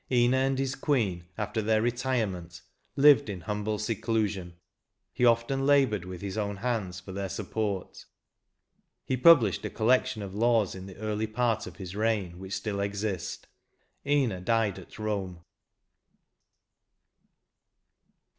Ina and his queen after their retirement lived in humhle seclu sion : he often laboured with his own hands for their support. He published a collection of laws in the early part of his reign, which still exist ; Ina died at Kome.